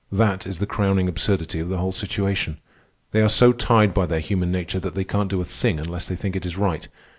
That is the crowning absurdity of the whole situation. They are so tied by their human nature that they can't do a thing unless they think it is right.